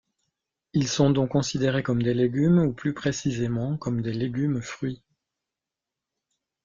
Ils sont donc considérés comme des légumes, ou plus précisément comme des légumes-fruits.